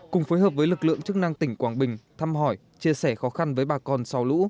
cùng phối hợp với lực lượng chức năng tỉnh quảng bình thăm hỏi chia sẻ khó khăn với bà con sau lũ